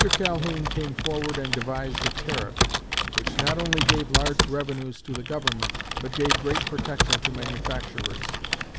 Calhoun came forward and devised a tariff, which not only gave large revenues to the Government, but gave great protection to manufacturers.